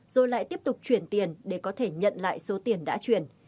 rồi lại tiếp tục chuyển tiền để có thể nhận lại số tiền đã chuyển